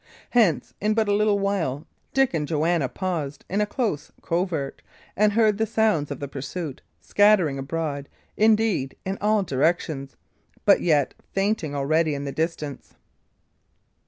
Hence, in but a little while, Dick and Joanna paused, in a close covert, and heard the sounds of the pursuit, scattering abroad, indeed, in all directions, but yet fainting already in the distance.